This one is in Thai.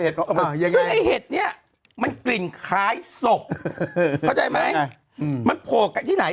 ซึ่งไอ้เห็ดเนี่ยมันกลิ่นคล้ายศพเข้าใจไหมมันโผล่กันที่ไหน